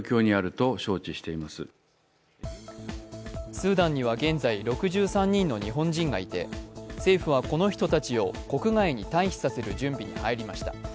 スーダンには現在６３人の日本人がいて政府はこの人たちを国外に退避させる準備に入りました。